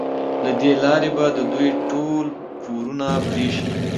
له دې لارې به د دوی ټول پورونه پرې شي.